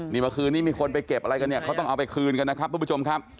นี่เมื่อคืนนี้มีคนไปเก็บอะไรกันเนี่ยเขาต้องเอาไปคืนกันนะครับทุกผู้ชมครับ